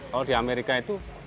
kalau di amerika itu